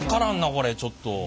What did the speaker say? これちょっと。